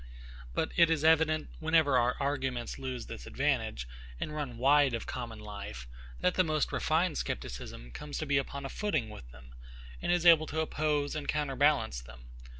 But it is evident, whenever our arguments lose this advantage, and run wide of common life, that the most refined scepticism comes to be upon a footing with them, and is able to oppose and counterbalance them.